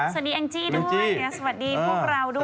แองจี้ด้วยสวัสดีพวกเราด้วย